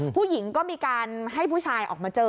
ผู้หญิงก็มีการให้ผู้ชายออกมาเจอ